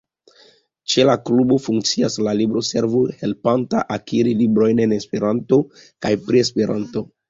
Ĉe la klubo funkcias la libroservo, helpanta akiri librojn en Esperanto kaj pri Esperanto.